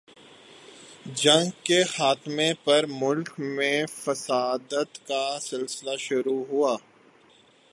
جنگ کے خاتمہ پر ملک میں فسادات کا سلسلہ شروع ہوا۔